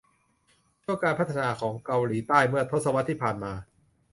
ช่วงการพัฒนาของเกาหลีใต้เมื่อทศวรรษที่ผ่านมา